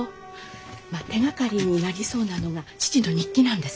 まあ手がかりになりそうなのが父の日記なんです。